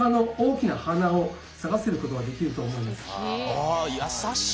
ああ優しい。